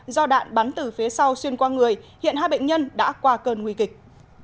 do đạn bắn từ phía sau xuyên qua người hiện hai bệnh nhân đã qua cơn nguy kịch